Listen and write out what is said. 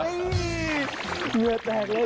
เหงื่อแตกเลย